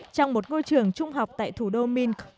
trong một ngôi trường trung học tại thủ đô mink